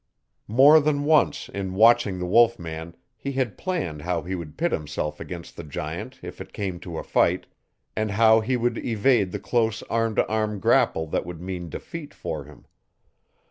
More than once in watching the wolf man he had planned how he would pit himself against the giant if it came to a fight, and how he would evade the close arm to arm grapple that would mean defeat for him.